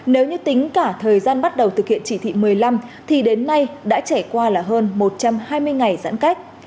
nếu như tính cả thời gian bắt đầu thực hiện chỉ thị một mươi năm thì đến nay đã trải qua là hơn một trăm hai mươi ngày giãn cách